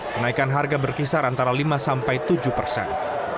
kenaikan harga berkisar antara lima sampai tujuh persen